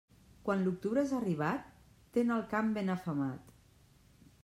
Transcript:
Quan l'octubre és arribat, ten el camp ben afemat.